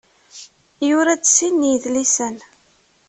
Yura-d sin n yidlisen.